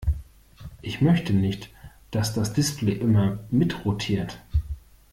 Ich möchte nicht, dass das Display immer mitrotiert.